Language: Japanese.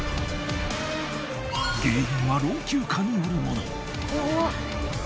原因は老朽化によるもの。